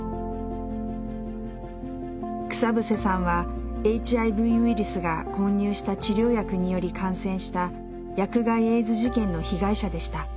草伏さんはＨＩＶウイルスが混入した治療薬により感染した薬害エイズ事件の被害者でした。